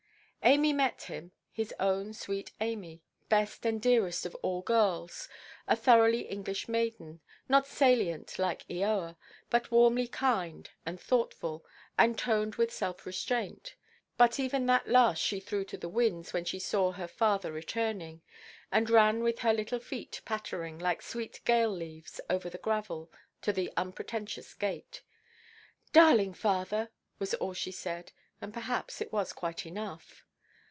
Amy met him, his own sweet Amy, best and dearest of all girls, a thoroughly English maiden, not salient like Eoa, but warmly kind, and thoughtful, and toned with self–restraint. But even that last she threw to the winds when she saw her father returning, and ran with her little feet pattering, like sweet–gale leaves, over the gravel, to the unpretentious gate. "Darling father!" was all she said; and perhaps it was quite enough.